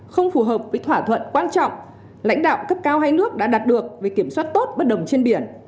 không phù hợp với thỏa thuận quan trọng lãnh đạo cấp cao hai nước đã đạt được về kiểm soát tốt bất đồng trên biển